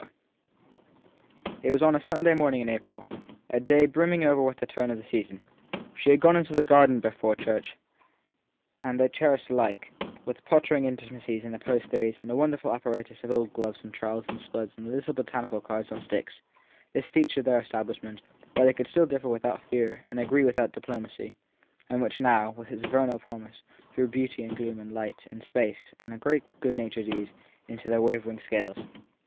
IV IT was on a Sunday morning in April, a day brimming over with the turn of the season. She had gone into the garden before church ; they cherished alike, with pottering intimacies and opposed theories and a wonderful apparatus of old gloves and trowels and spuds and little botanical cards on sticks, this feature of their establishment, where they could still differ without fear and agree without diplomacy, and which now, with its vernal promise, threw beauty and gloom and light and space, a great good natured ease, into their wavering scales.